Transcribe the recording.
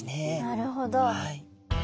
なるほど。